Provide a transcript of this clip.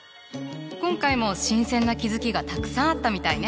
今回も新鮮な気付きがたくさんあったみたいね。